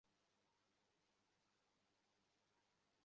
আমি তোমার পাপাকে ভালো করে চিনি সে একা থাকবে।